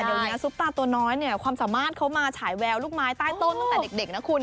เดี๋ยวนี้ซุปตาตัวน้อยเนี่ยความสามารถเขามาฉายแววลูกไม้ใต้ต้นตั้งแต่เด็กนะคุณ